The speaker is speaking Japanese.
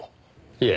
いえ。